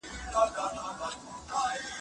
ما یوه پړک برېښنا د زرو پهکې ولیدله،